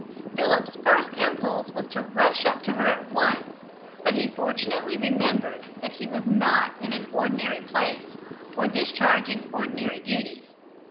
Philip's first impulse was to rush up to her at once, but he fortunately remembered that he was not in an ordinary place or discharging ordinary duties.